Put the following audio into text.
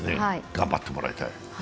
頑張ってもらいたい。